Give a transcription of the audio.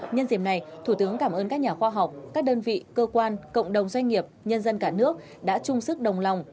nhân dịp này thủ tướng cảm ơn các nhà khoa học các đơn vị cơ quan cộng đồng doanh nghiệp nhân dân cả nước đã chung sức đồng lòng